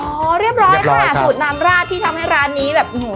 สูตรน้ำราจสูตรน้ำราจสูตรน้ำราจที่ทำให้ร้านนี้แบบอืม